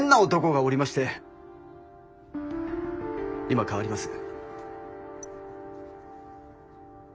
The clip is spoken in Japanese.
今かわります。